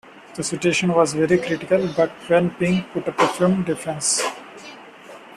The situation was very critical but Wen Ping put up a firm defence.